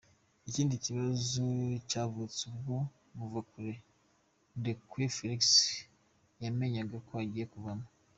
Ikindi kibazo cyavutse ubwo Muvakure Ndekwe Felix yamenyaga ko agiye kuvamo.